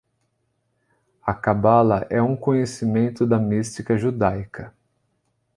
A Cabala é um conhecimento da mística judaica